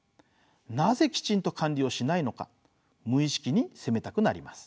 なぜきちんと管理をしないのか無意識に責めたくなります。